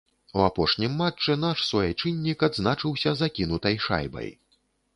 У апошнім матчы наш суайчыннік адзначыўся закінутай шайбай.